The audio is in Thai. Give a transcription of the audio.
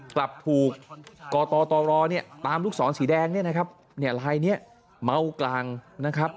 กลับถูกกตรเนี่ยตามลูกศรสีแดงเนี่ยนะครับเนี่ยลายนี้เมากลางนะครับ